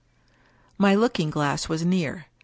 My looking glass was near.